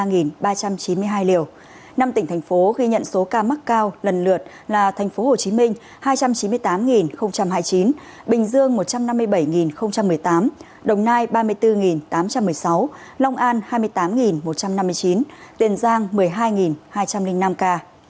năm tỉnh thành phố ghi nhận số ca mắc cao lần lượt là tp hcm hai trăm chín mươi tám hai mươi chín bình dương một trăm năm mươi bảy một mươi tám đồng nai ba mươi bốn tám trăm một mươi sáu long an hai mươi tám một trăm năm mươi chín tiền giang một mươi hai hai trăm linh năm ca